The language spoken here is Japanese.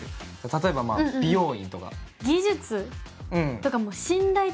例えば美容院とか。